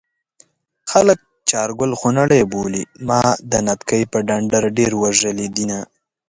خلک چارګل خونړی بولي ما د نتکۍ په ډنډر ډېر وژلي دينه